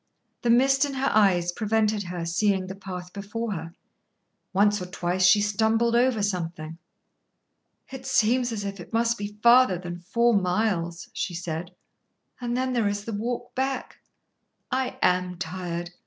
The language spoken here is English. The mist in her eyes prevented her seeing the path before her. Once or twice she stumbled over something. "It seems as if it must be farther than four miles," she said. "And then there is the walk back. I am tired.